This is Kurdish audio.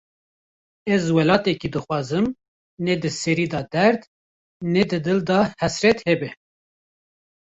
Ez welatekî dixwazim, ne di serî de derd, ne di dil de hesret hebe